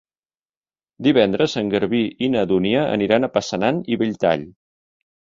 Divendres en Garbí i na Dúnia aniran a Passanant i Belltall.